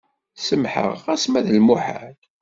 Semḥeɣ xas ma d lemuḥal.